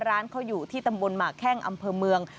ร้านเขาอยู่ที่ตำบลหมากแข้งอำเภอเมือง